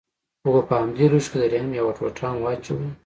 خو که په همدې لوښي کښې د رحم يوه ټوټه هم واچوې.